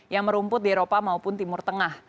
yang merumput di eropa maupun timur tengah